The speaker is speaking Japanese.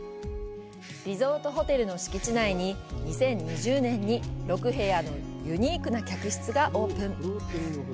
リゾートホテルの敷地内に、２０２０年に、６部屋のユニークな客室がオープン。